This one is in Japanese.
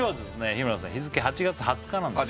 日村さん日付８月２０日なんですよ